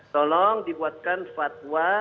tolong dibuatkan fatwa